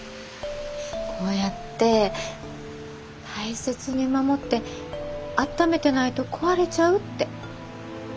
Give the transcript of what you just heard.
こうやって大切に守ってあっためてないと壊れちゃうって。